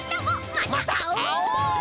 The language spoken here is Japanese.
またあおう！